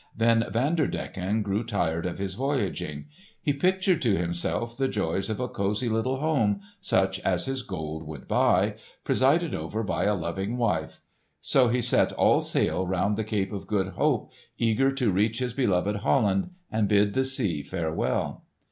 Then Vanderdecken grew tired of his voyaging. He pictured to himself the joys of a cosy little home—such as his gold would buy—presided over by a loving wife. So he set all sail around the Cape of Good Hope, eager to reach his beloved Holland and bid the sea farewell.